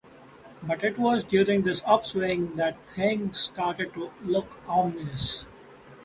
But it was during this upswing that things started to look ominous.